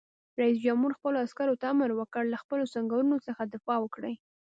رئیس جمهور خپلو عسکرو ته امر وکړ؛ له خپلو سنگرونو څخه دفاع وکړئ!